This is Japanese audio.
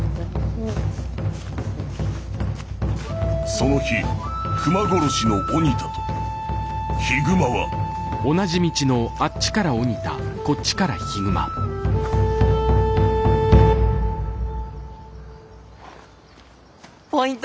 その日熊殺しの鬼田と悲熊はポイント